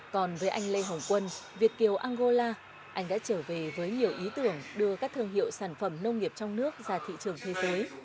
còn với anh lê hồng quân việt kiều angola anh đã trở về với nhiều ý tưởng đưa các thương hiệu sản phẩm nông nghiệp trong nước ra thị trường thế giới